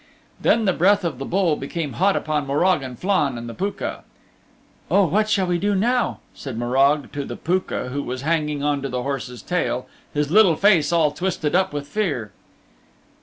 Then the breath of the Bull became hot upon Morag and Flann and the Pooka. "Oh, what shall we do now?" said Morag to the Pooka who was hanging on to the horse's tail, his little face all twisted up with fear.